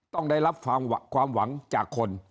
ต้องได้รับฟังความหวังจากคน